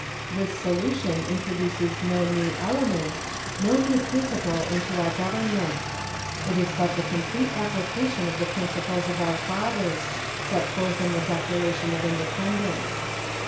This solution introduces no new element, no new principle into our Government. It is but the com plete application of the principles of our fathers, set forth in the declaration of independence.